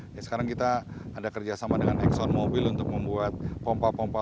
ya sekarang kita ada kerjasama dengan exxon mobil untuk membuat pompa pompa